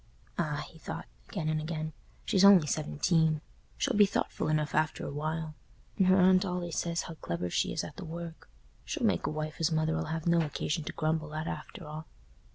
"Ah!" he thought, again and again, "she's only seventeen; she'll be thoughtful enough after a while. And her aunt allays says how clever she is at the work. She'll make a wife as Mother'll have no occasion to grumble at, after all."